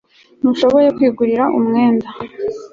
ntushobora kwigurira umwenda